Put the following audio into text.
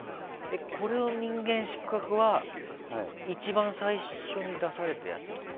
この「人間失格」は一番最初に出されたやつとか？